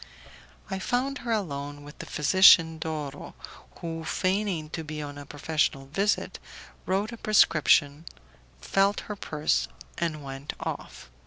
I found her alone with the physician Doro, who, feigning to be on a professional visit, wrote a prescription, felt her pulse, and went off.